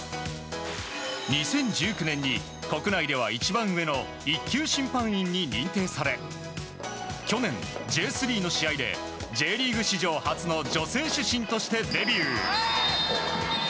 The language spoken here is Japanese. ２０１９年に国内では一番上の１級審判員に認定され去年、Ｊ３の試合でＪリーグ史上初の女性主審としてデビュー。